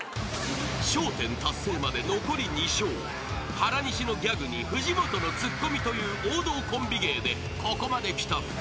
［原西のギャグに藤本のツッコミという王道コンビ芸でここまできた２人］